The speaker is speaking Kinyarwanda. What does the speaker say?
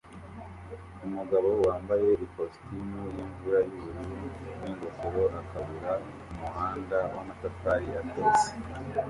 Umugabo wambaye ikositimu yimvura yubururu ningofero akubura umuhanda wamatafari atose